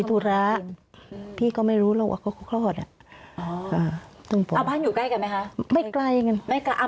เขาก็ให้ลูกคนโตของเขาไปตาม